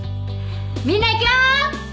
みんないくよ！